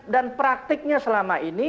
dan praktiknya selama ini